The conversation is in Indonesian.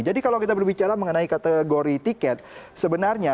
jadi kalau kita berbicara mengenai kategori tiket sebenarnya